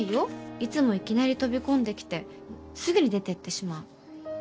いつもいきなり飛び込んできてすぐに出てってしまう。